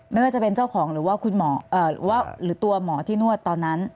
ไม่ว่าจะเป็นเจ้าของหรือว่าคุณหมอหรือตัวหมอที่นวดตอนนั้น